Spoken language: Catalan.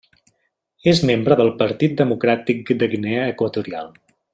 És membre del Partit Democràtic de Guinea Equatorial.